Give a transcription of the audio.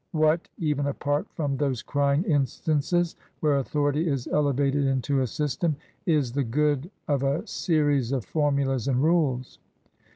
What, even apart from those crying instances where authority is elevated into a sys tem, is the good of a series of formulas and rules?